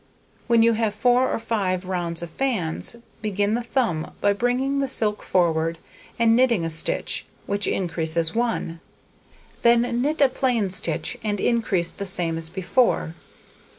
When you have 4 or 5 rounds of fans, begin the thumb by bringing the silk forward, and knitting a stitch, which increases 1; then knit a plain stitch, and increase the same as before.